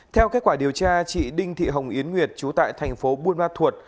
tại điều tra chị đinh thị hồng yến nguyệt chú tại thành phố buôn ma thuột